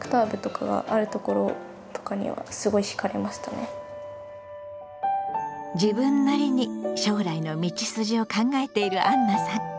部活に自分なりに将来の道筋を考えているあんなさん。